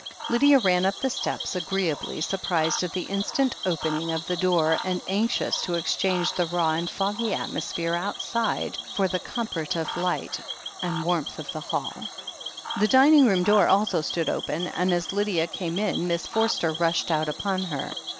Lydia ran up the steps, agreeably surprised at the instant opening of the door, and anxious to exchange the raw and foggy atmosphere outside for the compara tive warmth and light of the hall. The dining room door also stood open, and as Lydia came in Miss Forster rushed out upon her.